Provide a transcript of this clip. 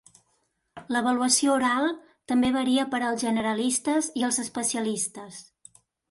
L'avaluació oral també varia per als generalistes i els especialistes.